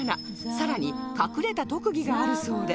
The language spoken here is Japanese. さらに隠れた特技があるそうで